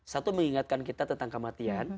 satu mengingatkan kita tentang kematian